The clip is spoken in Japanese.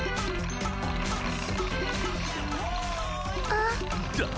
あっ。